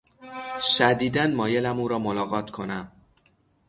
شدیدا مایلم او را ملاقات کنم.